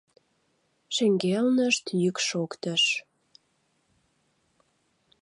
— шеҥгелнышт йӱк шоктыш.